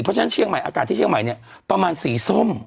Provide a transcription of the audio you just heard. เพราะฉะนั้นอากาศที่เชียงใหม่ประมาณสีส้ม